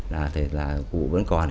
là thầy là cụ vẫn còn